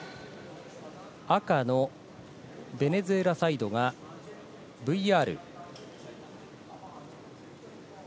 赤のベネズエラサイドがＶＲ。